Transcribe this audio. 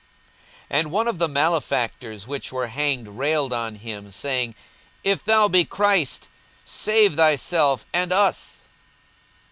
42:023:039 And one of the malefactors which were hanged railed on him, saying, If thou be Christ, save thyself and us.